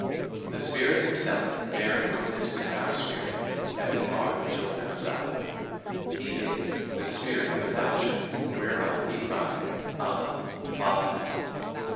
"The Spirit Himself beareth witness with our spirit that we are the children of God." He is "the Spirit of adoption, whereby we cry, Abba, Father."